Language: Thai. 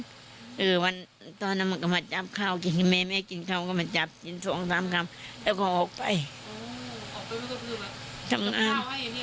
ลูกชายได้ซื้อมาไว้ที่รถตรงนั้น